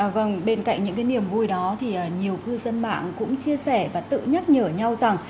vâng bên cạnh những cái niềm vui đó thì nhiều cư dân mạng cũng chia sẻ và tự nhắc nhở nhau rằng